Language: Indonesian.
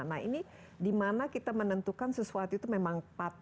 nah ini di mana kita menentukan sesuatu itu memang parah